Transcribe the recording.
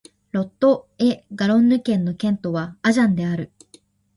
ロット＝エ＝ガロンヌ県の県都はアジャンである